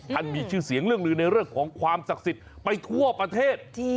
มีชื่อเสียงเรื่องลือในเรื่องของความศักดิ์สิทธิ์ไปทั่วประเทศ